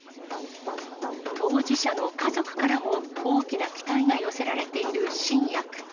当事者の家族からも大きな期待が寄せられている新薬。